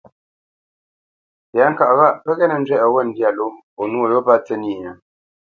Tɛ̌ŋka ghâʼ pə́ ghê nə́ njwɛ́ʼnə ghô ndyâ ló o nwô yô pə́ tsə́nyê?